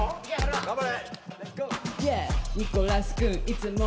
頑張れ！